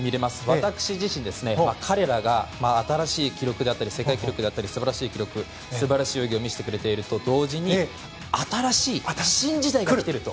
私自身彼らが新しい記録であったり世界記録だったり素晴らしい記録素晴らしい泳ぎを見せると同時に新しい新時代が来ていると。